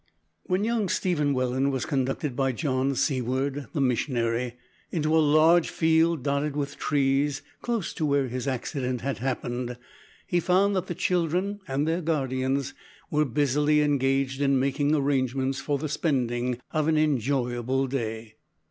When young Stephen Welland was conducted by John Seaward the missionary into a large field dotted with trees, close to where his accident had happened, he found that the children and their guardians were busily engaged in making arrangements for the spending of an enjoyable day.